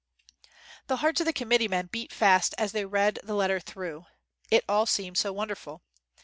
The hearts of the committeemen beat fast as they read the letter through. It all seemed so wonderful.